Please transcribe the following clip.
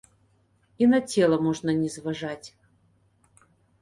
І на цела можна не зважаць.